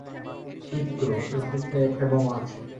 Crypto, রকেটটায় একটা বোমা আছে।